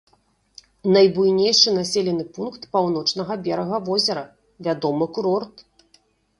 Найбуйнейшы населены пункт паўночнага берага возера, вядомы курорт.